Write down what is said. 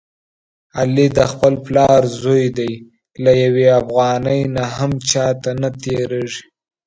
علي د خپل پلار زوی دی، له یوې افغانۍ نه هم چاته نه تېرېږي.